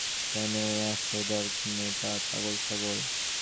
বেশি ভয় পাওনের দরকার নাই।